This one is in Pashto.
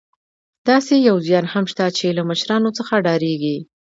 داسې پوځیان هم شته چې له مشرانو څخه ډارېږي.